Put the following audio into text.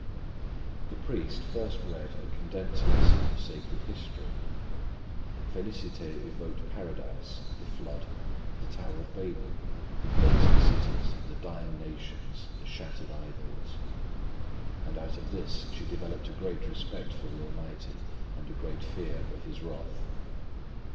The priest first read a condensed lesson of sacred history. Félicité evoked Paradise, the Flood, the Tower of Babel, the blazing cities, the dying nations, the shattered idols; and out of this she developed a great respect for the Almighty and a great fear of His wrath.